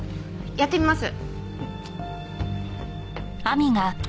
やってみます。